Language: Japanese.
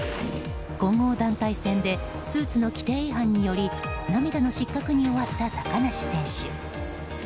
混合団体戦でスーツの規定違反により涙の失格に終わった高梨選手。